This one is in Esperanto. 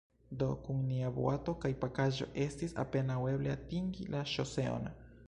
Do, kun nia boato kaj pakaĵo estis apenaŭ eble atingi la ŝoseon.